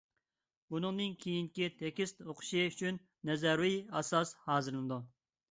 بۇنىڭدىن كېيىنكى تېكىست ئوقۇتۇشى ئۈچۈن نەزەرىيىۋى ئاساس ھازىرلىنىدۇ.